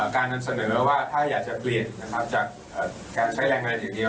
การนำเสนอว่าถ้าอยากจะเปลี่ยนจากการใช้แรงงานอย่างเดียว